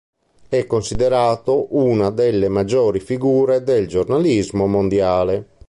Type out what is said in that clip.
È considerato una della maggiori figure del giornalismo mondiale.